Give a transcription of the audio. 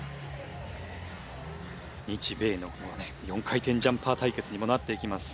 日米の４回転ジャンパー対決にもなっていきます。